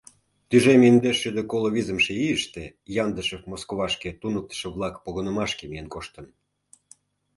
Тӱжем индеш шӱдӧ коло визымше ийыште Яндышев Москвашке туныктышо-влак погынымашке миен коштын.